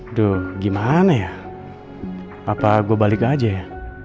aduh gimana ya apa gue balik aja ya